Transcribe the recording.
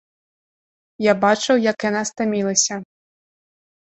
Я бачыў, як яна стамілася.